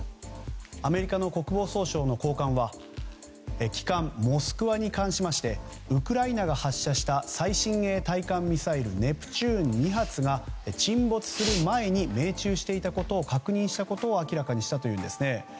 アメリカの国防総省の高官は旗艦「モスクワ」に関してウクライナが発射した最新鋭対艦ミサイルネプチューン２発が沈没する前に命中していたことを確認したことを明らかにしたというんですね。